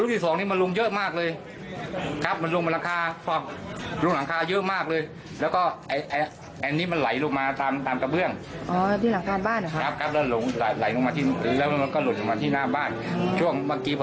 ตอนนี้มาเตรียมน้ำรถหัวอยู่ที่หน้าบ้านครับ